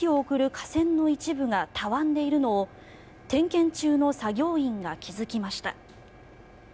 架線の一部がたわんでいるのを点検中の作業員が気付きました。